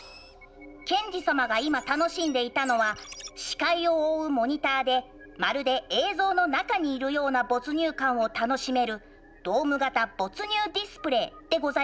ケンジ様が今楽しんでいたのは視界を覆うモニターでまるで映像の中にいるような没入感を楽しめるドーム型没入ディスプレーでございますよね。